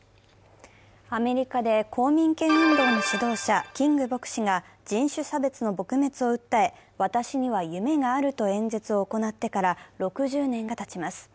アメリカで公民権運動の指導者、キング牧師が人種差別の撲滅を訴え、私には夢があると演説を行ってから６０年がたちます。